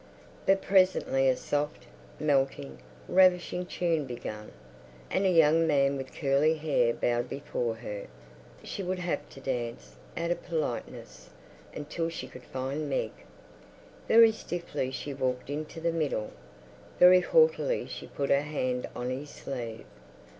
But presently a soft, melting, ravishing tune began, and a young man with curly hair bowed before her. She would have to dance, out of politeness, until she could find Meg. Very stiffly she walked into the middle; very haughtily she put her hand on his sleeve.